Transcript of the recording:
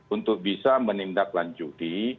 untuk bisa menindaklanjuti